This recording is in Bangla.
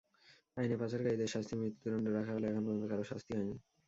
আইনে পাচারকারীদের শাস্তি মৃত্যুদণ্ড রাখা হলেও এখন পর্যন্ত কারও শাস্তি হয়নি।